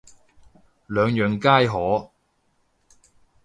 兩樣皆可